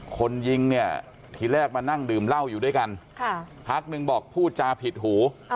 คนยิงเนี่ยทีแรกมานั่งดื่มเหล้าอยู่ด้วยกันพักนึงบอกพูดจาผิดหู